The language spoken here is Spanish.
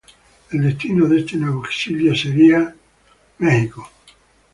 El destino de este nuevo exilio sería Estados Unidos.